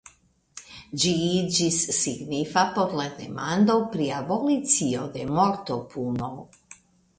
Ĝi iĝis signifa por la demando pri abolicio de mortopuno.